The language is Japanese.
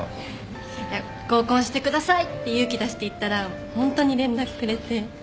合コンしてくださいって勇気出して言ったらホントに連絡くれて。